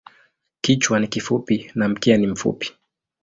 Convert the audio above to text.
Kichwa ni kifupi na mkia ni mfupi.